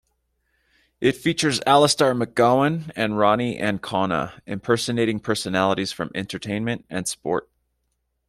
It features Alistair McGowan and Ronni Ancona impersonating personalities from entertainment and sport.